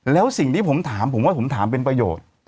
แล้วสิ่งที่ผมถามผมว่าผมถามเป็นประโยชน์